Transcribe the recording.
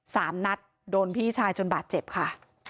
สามนัดโดนพี่ชายจนบาดเจ็บค่ะ